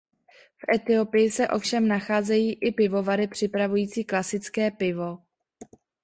V Etiopii se ovšem nacházejí i pivovary připravující klasické pivo.